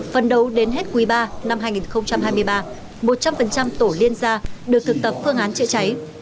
phần đầu đến hết quý ba năm hai nghìn hai mươi ba một trăm linh tổ liên gia được thực tập phương án chữa cháy